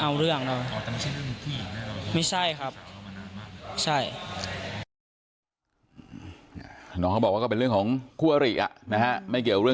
แล้วที่เขาบอกว่าเป็นเรื่องไม่เกี่ยวกับ